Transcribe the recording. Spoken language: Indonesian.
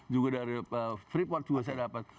juga dari freeport juga saya dapat